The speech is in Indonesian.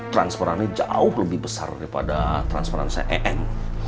transferannya jauh lebih besar daripada transferan saya em